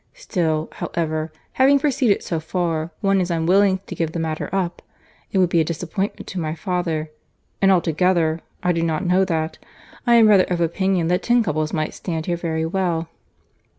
—Still, however, having proceeded so far, one is unwilling to give the matter up. It would be a disappointment to my father—and altogether—I do not know that—I am rather of opinion that ten couple might stand here very well."